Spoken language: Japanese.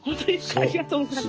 ありがとうございます。